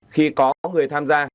khi có người tham gia